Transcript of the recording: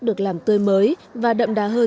được làm tươi mới và đậm đà hơn